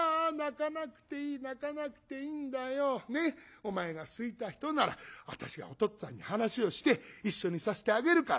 お前が好いた人なら私がお父っつぁんに話をして一緒にさせてあげるから。